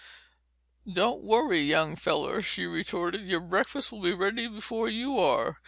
"Don't worry, young feller," she retorted. "Your breakfast will be ready before you are.